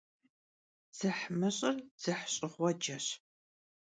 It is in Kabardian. Dzıhmış'ır dzıhş'ığueceş.